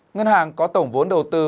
ngân hàng có tổng vốn đầu tư